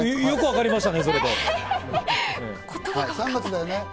よくわかりましたね。